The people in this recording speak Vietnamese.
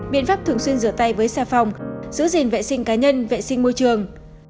biện pháp thường xuyên rửa tay với xe phòng giữ gìn vệ sinh cá nhân vệ sinh môi trường